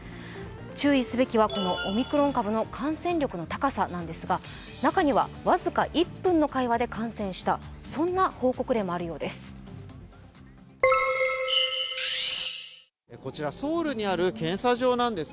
注意すべきはオミクロン株の感染力の高さなんですが中には僅か１分の会話で感染した、そんな報告例もあるようなんです。